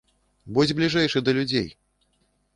Будзь бліжэйшы да людзей!